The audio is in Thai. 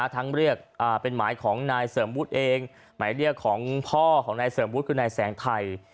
เรียกเป็นหมายของนายเสริมวุฒิเองหมายเรียกของพ่อของนายเสริมวุฒิคือนายแสงไทย